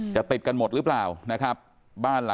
ติดกันหมดหรือเปล่านะครับ